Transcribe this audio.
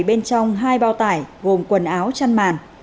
bên trong hai bao tải gồm quần áo chăn màn